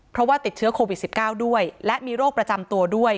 เพราะว่าติดเชื้อโควิด๑๙ด้วยและมีโรคประจำตัวด้วย